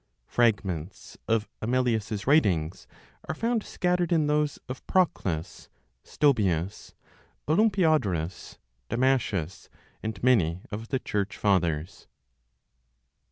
(Fragments of Amelius's writings are found scattered in those of Proclus, Stobaeus, Olympiodorus, Damascius, and many of the Church Fathers.)